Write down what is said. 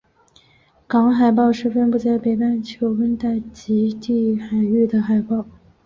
港海豹是分布在北半球温带及极地海域的海豹。